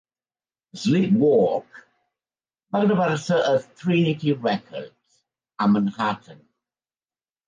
"Sleep Walk" va gravar-se a Trinity Records, a Manhattan.